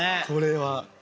これは。